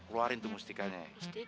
keluarin tuh mustikanya